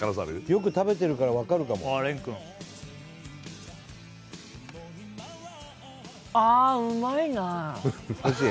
よく食べてるから分かるかもああ廉くんおいしい？